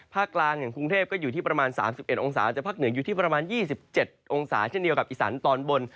กลางอย่างกรุงเทพก็อยู่ที่ประมาณ๓๑องศาแต่ภาคเหนืออยู่ที่ประมาณ๒๗องศาเช่นเดียวกับอีสานตอนบน